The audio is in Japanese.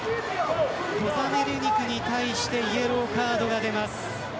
コザメルニクに対してイエローカードが出ます。